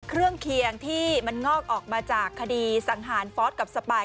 เคียงที่มันงอกออกมาจากคดีสังหารฟอสกับสปาย